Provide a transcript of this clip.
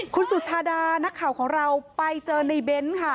คุณสุชาดานักข่าวของเราไปเจอในเบ้นค่ะ